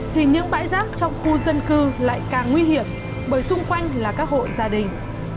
thì những bãi rác trong khu dân cư lại càng nguy hiểm bởi xung quanh là các hộ gia đình